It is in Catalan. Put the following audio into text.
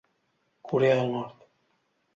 Corea del Nord.